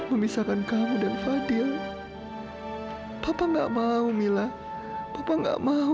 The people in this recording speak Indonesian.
memisahkan kamu dan fadil papa nggak mau mila papa nggak mau